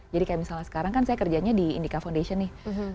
jadi kayak misalnya sekarang kan saya kerjanya di indica foundation nih